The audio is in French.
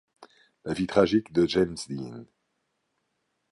La vie tragique de James Dean.